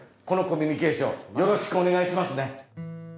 このコミュニケーションよろしくお願いしますね。